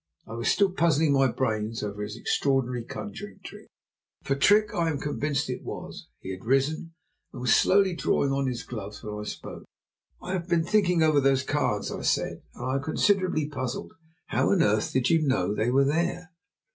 I was still puzzling my brains over his extraordinary conjuring trick for trick I am convinced it was. He had risen and was slowly drawing on his gloves when I spoke. "I have been thinking over those cards," I said, "and I am considerably puzzled. How on earth did you know they were there?"